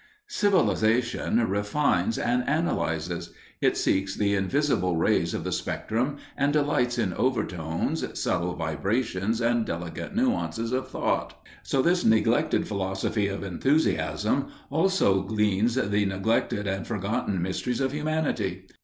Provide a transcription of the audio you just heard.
Civilization refines and analyzes. It seeks the invisible rays of the spectrum and delights in overtones, subtle vibrations and delicate nuances of thought. So this neglected philosophy of enthusiasm also gleans the neglected and forgotten mysteries of humanity.